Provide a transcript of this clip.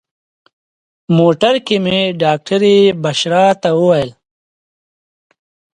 موټر کې مې ډاکټرې بشرا ته وویل.